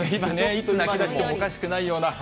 いつ泣きだしてもおかしくないような。